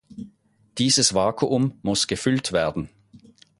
Dieses Vakuum muss gefüllt werden.